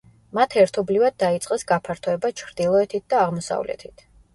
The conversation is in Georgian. მათ ერთობლივად დაიწყეს გაფართოება ჩრდილოეთით და აღმოსავლეთით.